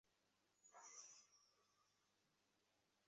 আমাকে একবার বললেই আমি রেডি করে দিতাম।